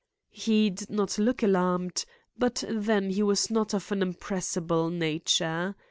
He did not look alarmed, but then he was not of an impressible nature.